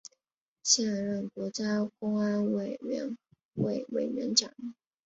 现任国家公安委员会委员长。